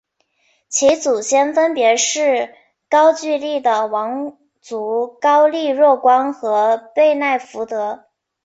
其祖先分别是高句丽的王族高丽若光和背奈福德。